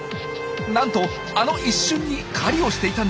なんとあの一瞬に狩りをしていたんです。